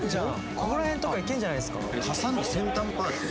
ここら辺とかいけんじゃないですか？